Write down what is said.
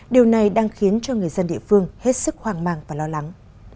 điều này đang khiến cho người dân địa phương hết sức hoang mang và lo lắng